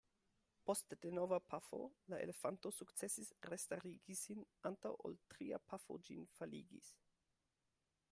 Post denova pafo la elefanto sukcesis restarigi sin antaŭ ol tria pafo ĝin faligis.